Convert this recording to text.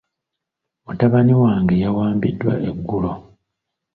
Mutabani wange yawambiddwa eggulo .